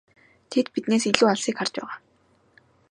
Тэд биднээс илүү алсыг харж байгаа.